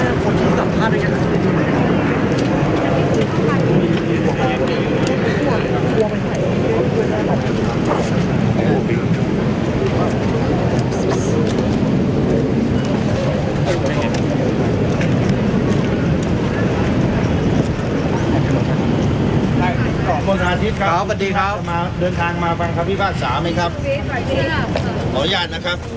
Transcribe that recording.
เร่งกลงทางนี้ให้เส้นขอบใจให้เป็นท่านหมอถ้าเข้ามาฟังให้ดูแลและตามรายงานของนางสาวยิ่งลักษณ์ได้